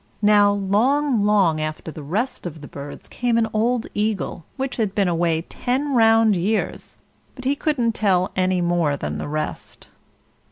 Now, long, long after the rest of the birds came an old eagle, which had been away ten round years, but he couldn't tell any more than the rest.